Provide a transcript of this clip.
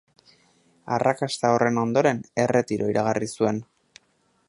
Arrakasta horren ondoren, erretiro iragarri zuen.